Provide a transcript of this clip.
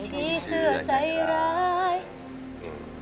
ผีเสื้อใจร้าย